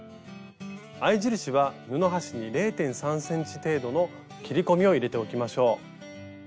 合い印は布端に０．３ｃｍ程度の切り込みを入れておきましょう。